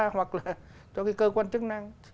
hoặc là cho cái cơ quan chức năng